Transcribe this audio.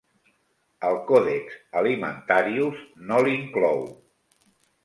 El Codex Alimentarius no l'inclou.